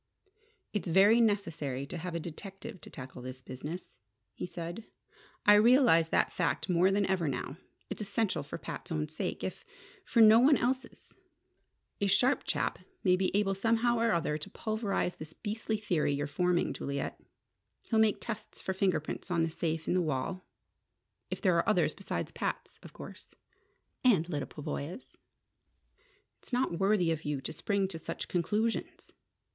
"It's very necessary to have a detective to tackle this business," he said. "I realize that fact more than ever now. It's essential for Pat's own sake, if for no one else's. A sharp chap may be able somehow or other to pulverize this beastly theory you're forming, Juliet. He'll make tests for fingerprints on the safe in the wall. If there are others besides Pat's, of course " "And Lyda Pavoya's!" "It's not worthy of you to spring to such conclusions!"